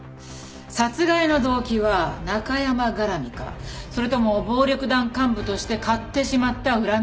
殺害の動機はナカヤマ絡みかそれとも暴力団幹部として買ってしまった恨みか。